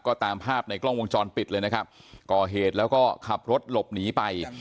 ก็ตามภาพในกล้องวงจรปิดเลยนะครับก่อเหตุแล้วก็ขับรถหลบหนีไป